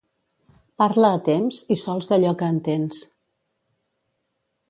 Parla a temps, i sols d'allò que entens.